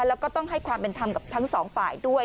แล้วก็ต้องให้ความเป็นธรรมกับทั้งสองฝ่ายด้วย